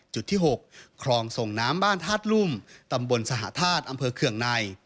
จุดที่๖คลองส่งน้ำบ้านธาตุรุ่มตำบลสหธาตุอำเภอเคืองใน